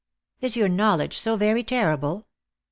"Is your knowledge so very terrible?"